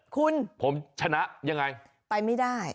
คุณผมชนะยังไงไปไม่ได้